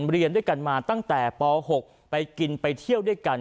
เรียนด้วยกันมาตั้งแต่ป๖ไปกินไปเที่ยวด้วยกัน